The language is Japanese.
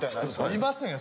いませんよ